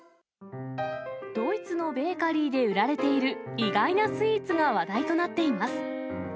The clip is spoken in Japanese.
ドイツのベーカリーで売られている意外なスイーツが話題となっています。